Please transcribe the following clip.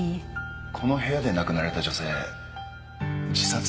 この部屋で亡くなられた女性自殺の可能性は？